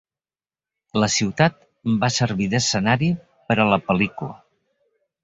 La ciutat va servir d'escenari per a la pel·lícula.